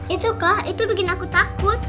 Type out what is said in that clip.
itu kak itu bikin aku takut